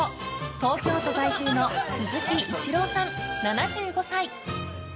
東京都在住の鈴木一郎さん、７５歳。